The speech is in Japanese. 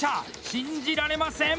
信じられません！